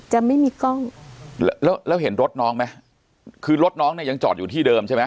จะไม่มีกล้องแล้วแล้วเห็นรถน้องไหมคือรถน้องเนี่ยยังจอดอยู่ที่เดิมใช่ไหม